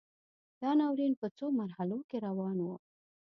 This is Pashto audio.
دا ناورین په څو مرحلو کې روان و.